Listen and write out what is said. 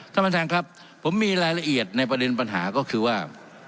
ท่านประธานครับผมมีรายละเอียดในประเด็นปัญหาก็คือว่า